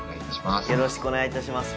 よろしくお願いします